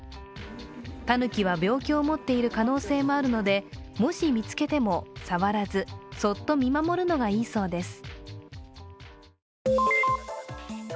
たぬきは病気を持っている可能性もあるのでもし、見つけても触らず、そっと見守るのがいいそうです。